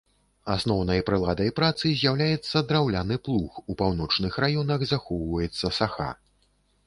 Асноўнай прыладай працы з'яўляецца драўляны плуг, у паўночных раёнах захоўваецца саха.